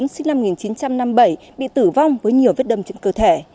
sinh năm một nghìn chín trăm năm mươi bảy bị tử vong với nhiều vết đâm trên cơ thể